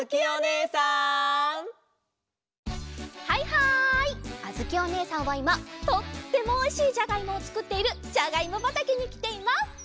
はいはいあづきおねえさんはいまとってもおいしいじゃがいもをつくっているじゃがいもばたけにきています。